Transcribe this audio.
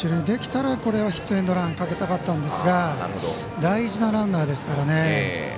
できたら、これはヒットエンドランかけたかったんですが大事なランナーですからね。